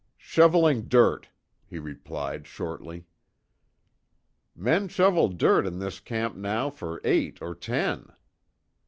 "Shoveling dirt," he replied, shortly. "Men shovel dirt in this camp now for eight or ten."